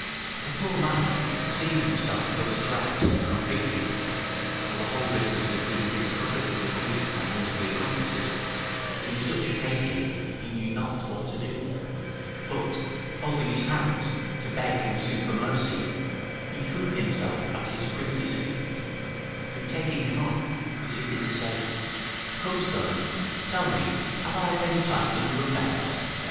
The poor man seeing himself thus trapped and convicted (for the whole business had been discovered to the queen by one of the accomplices), was in such a taking, he knew not what to do; but, folding his hands, to beg and sue for mercy, he threw himself at his prince's feet, who taking him up, proceeded to say, "Come, sir; tell me, have I at any time done you offence?